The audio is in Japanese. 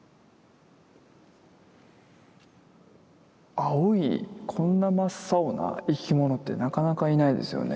青いこんな真っ青な生き物ってなかなかいないですよね。ね？